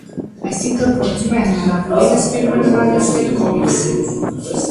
Այսինքն փորձում է հնարավորինս ֆիլմը նմանեցնել կոմիքսին։